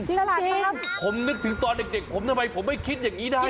ผมนึกถึงตอนเด็กผมทำไมผมไม่คิดอย่างนี้ได้